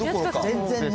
全然ね。